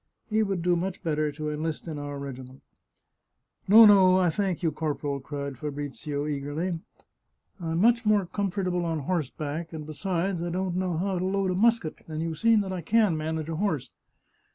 He would do much better to enlist in our regi ment." " Not so, I thank you, corporal," cried Fabrizio eagerly. " I'm much more comfortable on horseback ; and, besides, I don't know how to load a musket, and you've seen that I can manage a horse."